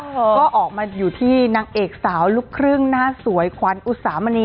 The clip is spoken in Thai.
ก็ออกมาอยู่ที่นางเอกสาวลูกครึ่งหน้าสวยขวัญอุตสามณี